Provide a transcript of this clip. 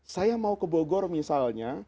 saya mau ke bogor misalnya